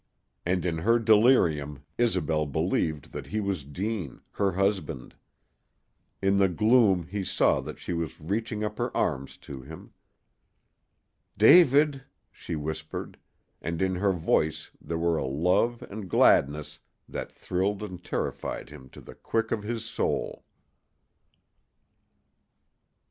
And in her delirium Isobel believed that he was Deane, her husband. In the gloom he saw that she was reaching up her arms to him. "David!" she whispered; and in her voice there were a love and gladness that thrilled and terrified him to the quick of his soul.